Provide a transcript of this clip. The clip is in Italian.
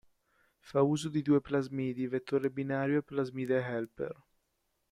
Fa uso di due plasmidi, vettore binario e plasmide "helper".